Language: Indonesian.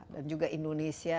dan juga indonesia